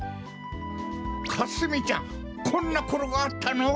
かすみちゃんこんなころがあったの？